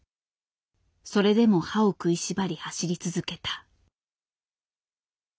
それでも歯を食いしばり走り続けた。